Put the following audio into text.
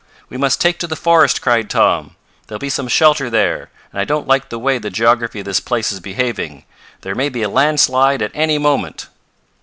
"We must take to the forest!" cried Tom. "There'll be some shelter there, and I don't like the way the geography of this place is behaving. There may be a landslide at any moment."